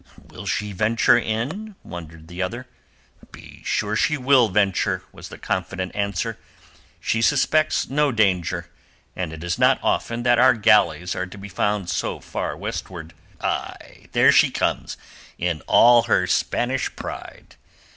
"Will she venture in?" wondered the other. "Be sure she will venture," was the confident answer. "She suspects no danger, and it is not often that our galleys are to be found so far westward. Aye, there she comes in all her Spanish pride."